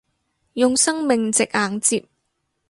用生命值硬接